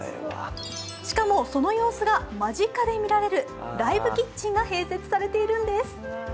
しかも、その様子が間近で見られるライブキッチンが併設されているんです。